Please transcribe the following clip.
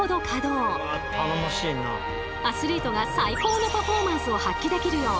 アスリートが最高のパフォーマンスを発揮できるよう